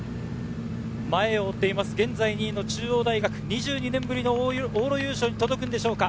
前を追う２位の中央大学、２２年ぶりの往路優勝に届くのでしょうか？